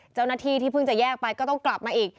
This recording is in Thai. เจ้าหน้าที่ที่เพิ่งจะแยกไปก็ต้องกลับมาอีก